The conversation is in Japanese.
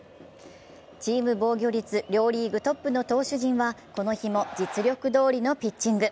チーム防御率両リーグトップの投手陣はこの日も実力どおりのピッチング。